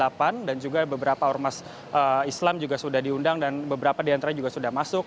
komisil delapan dan juga beberapa ormas islam juga sudah diundang dan beberapa di antara juga sudah masuk